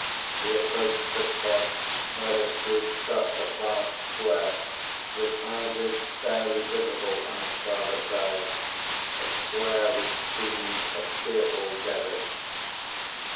He approached the spot where the street crossed a vast square with houses barely visible on its farther side, a square which seemed a fearful desert.